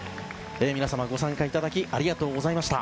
皆様、ご参加いただきありがとうございました。